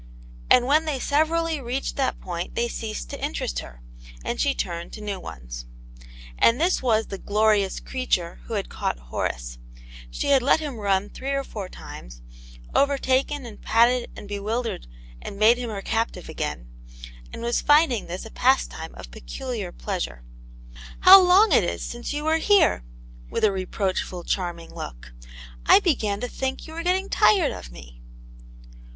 And when they severally reached that point they ceased to interest her, and she turned to new ones. And this was the "glorious creature" who had caught Horace; she had let him run three or four times, overtaken and patted and bewildered and made him her captive again, and was finding this a pastime of peculiar pleasure. " How long it is since you were here!" with a re proachful, charming look. " I began to think you were getting tired of me!"